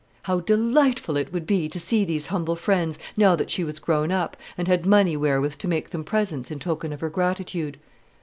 How delightful it would be to see these humble friends, now that she was grown up, and had money wherewith to make them presents in token of her gratitude!